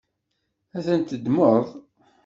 Ad tent-teddmeḍ?